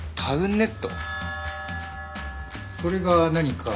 それが何か？